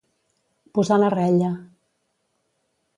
Posar la rella.